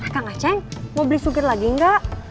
kang aceh mau beli sugar lagi nggak